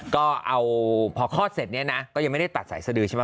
ก็เอาพอคลอดเสร็จเนี่ยนะก็ยังไม่ได้ตัดสายสดือใช่ไหม